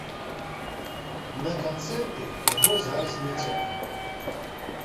На канцэрты яго зараз не цягне.